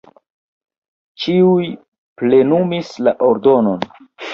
Ĉiuj plenumis la ordonon.